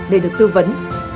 để được tư vấn